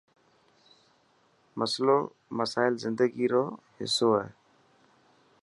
مسلو، مسئلا زندگي رو حصو هي.